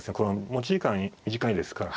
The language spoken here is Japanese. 持ち時間短いですから。